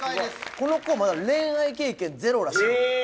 この子まだ恋愛経験ゼロらしいんで。